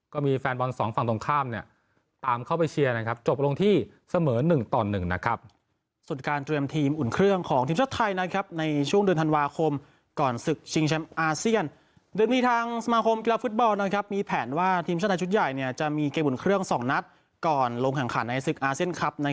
ก็มีแฟนบอลสองฝั่งตรงข้ามเนี่ยตามเข้าไปเชียร์นะครับ